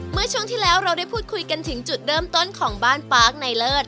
เมื่อช่วงที่แล้วเราได้พูดคุยกันถึงจุดเริ่มต้นของบ้านปาร์คในเลิศ